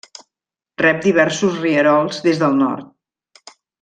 Rep diversos rierols des del nord.